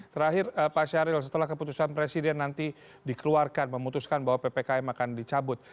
terakhir pak syahril setelah keputusan presiden nanti dikeluarkan memutuskan bahwa ppkm akan dicabut